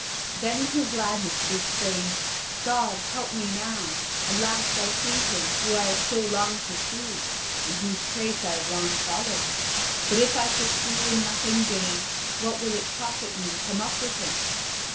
Then in her gladness she exclaims: "God, help me now. At last I see him whom I have so long pursued, and whose trace I have long followed. But if I pursue and nothing gain, what will it profit me to come up with him?